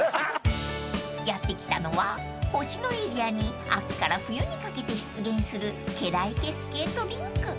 ［やって来たのは星野エリアに秋から冬にかけて出現するケラ池スケートリンク］